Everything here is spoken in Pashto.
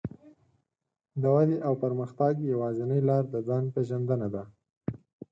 د ودې او پرمختګ يوازينۍ لار د ځان پېژندنه ده.